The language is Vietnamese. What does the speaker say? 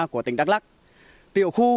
của tỉnh đắk lắc tiểu khu